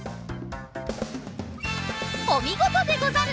おみごとでござる！